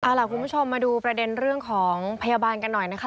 เอาล่ะคุณผู้ชมมาดูประเด็นเรื่องของพยาบาลกันหน่อยนะคะ